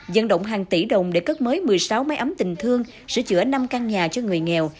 dân động hàng tỷ đồng để cất mới một mươi sáu máy ấm tình thương sửa chữa năm căn nhà cho người nghèo